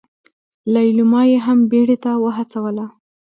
ليلما يې هم بيړې ته وهڅوله.